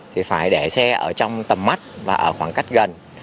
thì phải để xe ở trong tầm mắt và ở khoảng cách gần